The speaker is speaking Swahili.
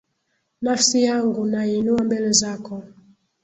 Nafsi yangu naiinua mbele zako.